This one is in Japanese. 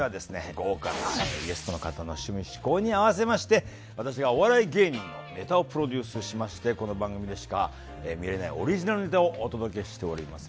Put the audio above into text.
豪華なゲストの方の趣味嗜好に合わせまして私がお笑い芸人のネタをプロデュースしましてこの番組でしか見れないオリジナルネタをお届けしております。